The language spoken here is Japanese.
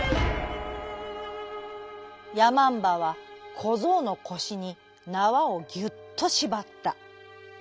やまんばはこぞうのこしになわをぎゅっとしばった。